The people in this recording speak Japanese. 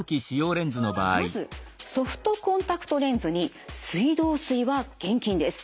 まずソフトコンタクトレンズに水道水は厳禁です。